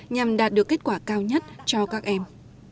nhằm đạt được kết quả cao nhất cho các em